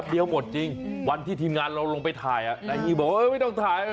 เดียวหมดจริงวันที่ทีมงานเราลงไปถ่ายนายอีบอกเออไม่ต้องถ่าย